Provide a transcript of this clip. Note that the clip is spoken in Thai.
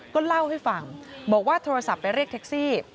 ก็เล่าให้ฟังบอกว่าโทรศัพท์ไปเรียกแท็กซี่